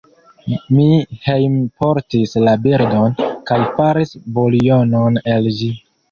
Mi hejmportis la birdon, kaj faris buljonon el ĝi.